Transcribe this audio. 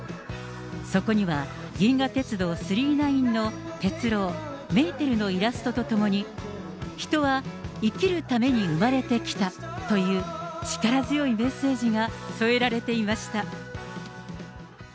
そこには銀河鉄道９９９のてつろう、メーテルのイラストとともに、人は生きるために生まれて来た！という力強いメッセージが添えられていました。